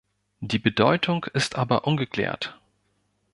Die Bedeutung ist aber ungeklärt.